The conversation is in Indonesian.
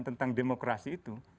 tentang demokrasi itu